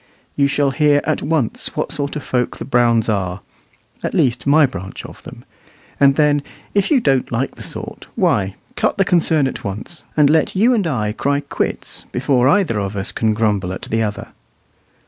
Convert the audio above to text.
You shall hear at once what sort of folk the Browns are at least my branch of them; and then, if you don't like the sort, why, cut the concern at once, and let you and I cry quits before either of us can grumble at the other.